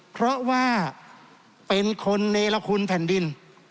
เพราะว่าเป็นคนเนรคุณแผ่นดิน